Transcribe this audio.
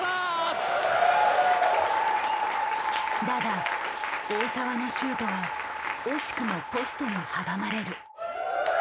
だが大澤のシュートは惜しくもポストに阻まれる。